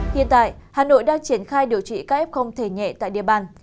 hiện tại hà nội đang triển khai điều trị các f không thể nhẹ tại địa bàn